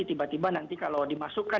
tiba tiba nanti kalau dimasukkan